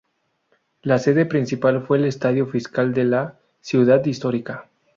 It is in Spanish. La sede principal fue el Estadio fiscal de la "ciudad histórica".